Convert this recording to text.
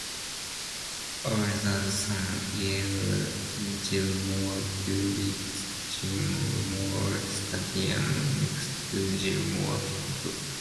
Arthur's son Earl Gilmore built Gilmore Stadium next to Gilmore Field.